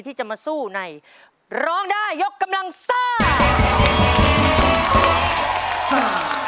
ที่จะมาสู้ในร้องได้ยกกำลังซ่า